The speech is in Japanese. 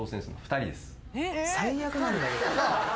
最悪なんだけど。